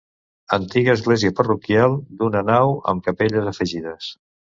Antiga església parroquial d'una nau amb capelles afegides.